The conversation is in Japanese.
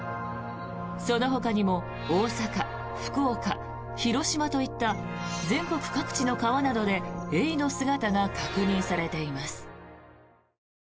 そのほかにも大阪、福岡、広島といった全国各地の川などでエイの姿が確認されています。